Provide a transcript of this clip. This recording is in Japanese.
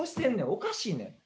おかしいねん。